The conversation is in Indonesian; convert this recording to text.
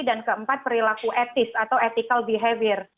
dan keempat perilaku etis atau ethical behavior